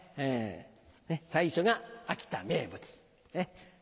最初が「秋田名物」。